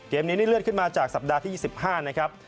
เกมนี้นี่เลื่อนขึ้นมาจากสัปดาห์ที่๒๕นะครับ